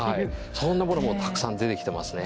そんなものもたくさん出てきてますね。